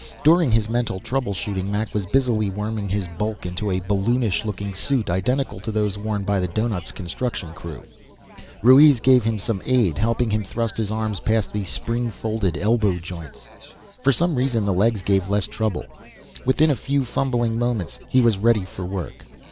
During his mental trouble shooting, Mac was busily worming his bulk into a balloonish looking suit identical to those worn by the doughnut's construction crew. Ruiz gave him some aid, helping him thrust his arms past the spring folded elbow joints. For some reason, the legs gave less trouble. Within a fumbling few moments, he was ready for work.